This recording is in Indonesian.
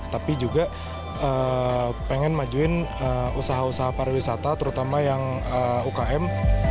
tapi juga pengen majuin usaha usaha pariwisata terutama yang ukm